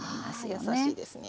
はあ優しいですね。